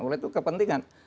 oleh itu kepentingan